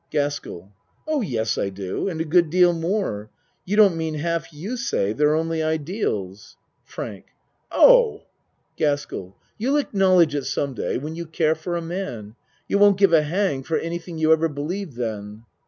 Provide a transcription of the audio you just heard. GASKELL Oh, yes, I do. And a good deal more. You don't mean half you say they're only ideals. ACT t 43 FRANK Oh! GASKELL You'll acknowledge it some day when you care for a man. You won't give a hang for anything you ever believed then.